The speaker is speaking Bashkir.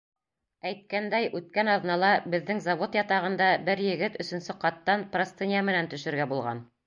Әйткәндәй, үткән аҙнала беҙҙең завод ятағында бер егет өсөнсө ҡаттан простыня менән төшөргә булған.